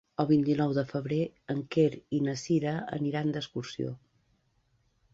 El vint-i-nou de febrer en Quer i na Cira aniran d'excursió.